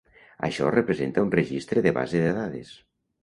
Això representa un registre de base de dades.